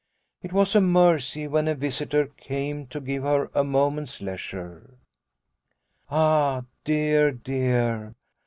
It was a mercy when a visitor came to give her a moment's leisure. " Ah, dear, dear